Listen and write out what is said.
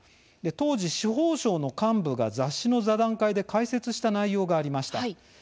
当時、司法省の幹部が雑誌の座談会で解説した内容がありました。